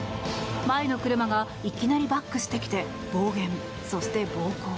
前の車がいきなりバックしてきて暴言そして暴行。